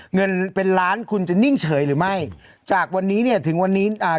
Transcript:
เงินเป็นล้านคุณจะนิ่งเฉยหรือไม่จากวันนี้เนี่ยถึงวันนี้อ่า